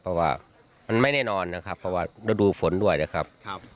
เพราะว่ามันไม่ได้นอนนะครับเพราะว่าฤดูฝนด้วยนะครับ